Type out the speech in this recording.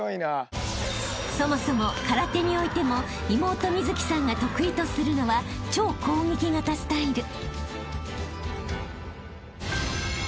［そもそも空手においても妹美月さんが得意とするのは超攻撃型スタイル］